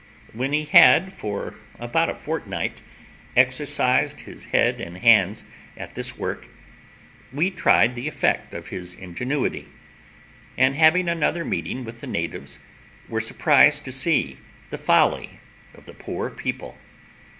When he had for about a fortnight exercised his head and hands at this work, we tried the effect of his ingenuity; and, having another meeting with the natives, were surprised to see the folly of the poor people.